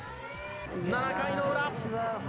７回の裏。